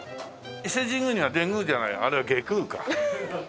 伊勢神宮にはデグーじゃないあれは外宮か。